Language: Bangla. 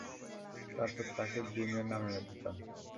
তারপর তাকে জিমে নামিয়ে দিতাম।